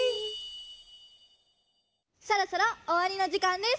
そろそろおわりのじかんです！